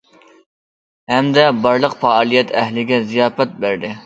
ھەمدە بارلىق پائالىيەت ئەھلىگە زىياپەت بەردى.